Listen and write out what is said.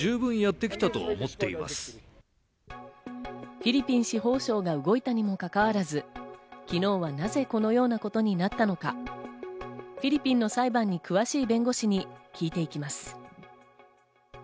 フィリピン司法省が動いたにもかかわらず、昨日はなぜこのようなことになったのか。フィリピンの裁判に詳しい弁護士に聞いていきます。